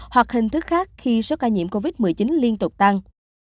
hoặc hình thức khác khi số ca nhiễm covid một mươi chín liên tục tăng